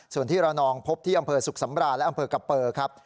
ส่วนที่ระนองพบที่อำเภอสุขสำราญและอำเภอกะเปอร์ครับ